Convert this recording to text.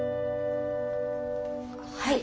はい。